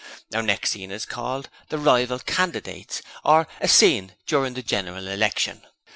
'Our next scene is called "The Rival Candidates, or, a Scene during the General Election".